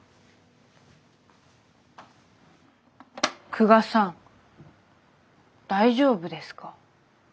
久我さん大丈夫ですか？